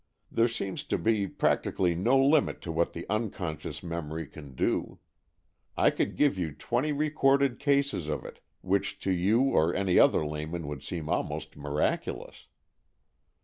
There seems to be practi cally no limit to what the unconscious memory can do. I could give you twenty recorded cases of it, which to you or any other layman would seem almost miraculous.